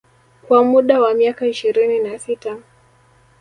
Kwa muda wa miaka ishirini na sita